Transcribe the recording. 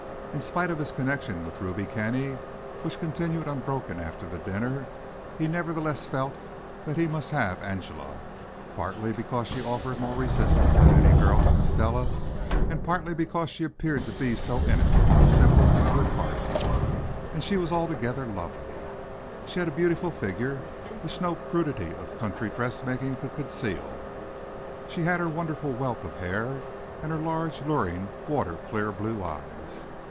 In spite of his connection with Ruby Kenny, which continued unbroken after the dinner, he nevertheless felt that he must have Angela; partly because she offered more resistance than any girl since Stella, and partly because she appeared to be so innocent, simple and good hearted. And she was altogether lovely. She had a beautiful figure, which no crudity of country dressmaking could conceal. She had her wonderful wealth of hair and her large, luring, water clear blue eyes.